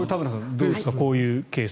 どうですか、こういうケース。